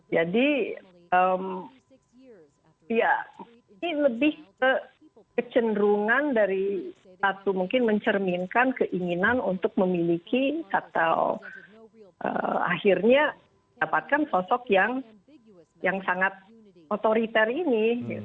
jadi ya ini lebih ke cenderungan dari satu mungkin mencerminkan keinginan untuk memiliki atau akhirnya dapatkan sosok yang sangat otoriter ini